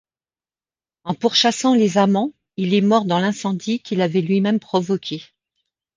En pourchassant les amants, il est mort dans l'incendie qu'il avait lui-même provoqué.